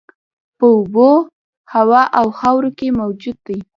په اوبو، هوا او خاورو کې موجود دي.